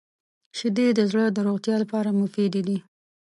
• شیدې د زړه د روغتیا لپاره مفید دي.